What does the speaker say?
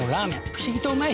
不思議とうまい。